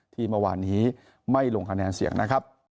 ที่เมื่อวานนี้ไม่ลงคะแนนเสียงนะครับ